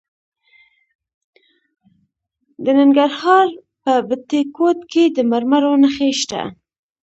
د ننګرهار په بټي کوټ کې د مرمرو نښې شته.